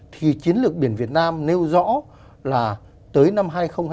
thì chiến lược biển việt nam nêu rõ là tới năm hai nghìn hai mươi